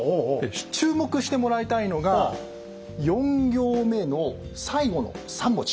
注目してもらいたいのが４行目の最後の３文字。